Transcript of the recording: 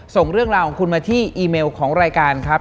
ส่งเรื่องราวของคุณมาที่อีเมลของรายการครับ